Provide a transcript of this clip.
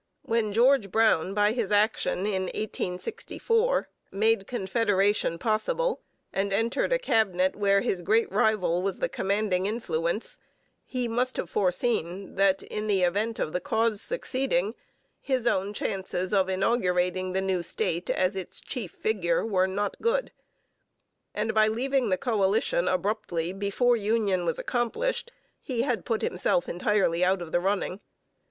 When George Brown by his action in 1864 made Confederation possible and entered a Cabinet where his great rival was the commanding influence, he must have foreseen that, in the event of the cause succeeding, his own chances of inaugurating the new state as its chief figure were not good. And by leaving the coalition abruptly before union was accomplished he had put himself entirely out of the running.